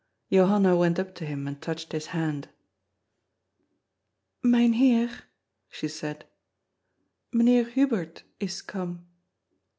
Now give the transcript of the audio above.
Johanna went up to him and touched his hand. "Myn Heer," she said, "Mynheer Hubert is come."